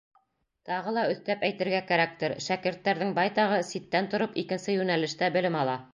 — Тағы ла өҫтәп әйтергә кәрәктер: шәкерттәрҙең байтағы ситтән тороп икенсе йүнәлештә белем ала.